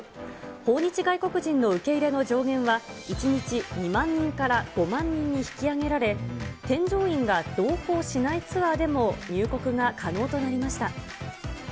訪日外国人の受け入れの上限は、１日２万人から５万人に引き上げられ、添乗員が同行しないツアーでも入国が可能となりました。